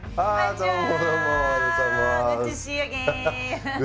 どうも。